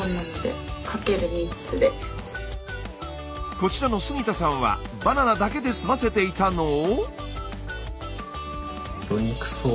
こちらの杉田さんはバナナだけで済ませていたのを。